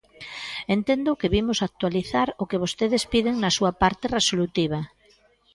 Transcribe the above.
Entendo que vimos actualizar o que vostedes piden na súa parte resolutiva.